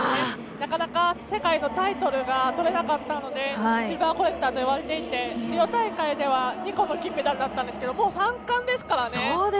なかなか世界のタイトルが取れなかったのでシルバーコレクターといわれていて、リオ大会では２個の金メダルでしたがもう３冠ですからね。